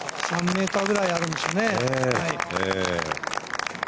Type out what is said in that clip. ３ｍぐらいあるんでしょうね。